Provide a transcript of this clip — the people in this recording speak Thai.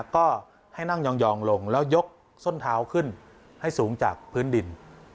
ก็ให้นั่งยองลงแล้วยกส้นเท้าขึ้นให้สูงจากพื้นดิน